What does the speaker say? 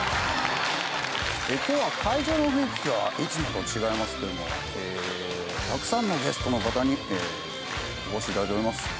今日は会場の雰囲気がいつもと違いますけどもたくさんのゲストの方にえお越し頂いております。